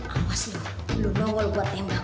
awas lu lu nongol buat tembak